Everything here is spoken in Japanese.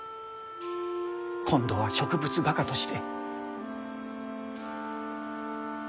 今度は植物画家として。